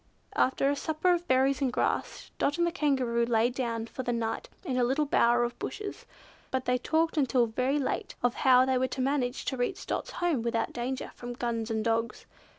After a supper of berries and grass, Dot and the Kangaroo lay down for the night in a little bower of bushes. But they talked until very late, of how they were to manage to reach Dot's home without danger from guns and dogs.